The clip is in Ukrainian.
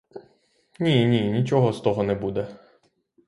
Ні, ні, нічого з того не буде.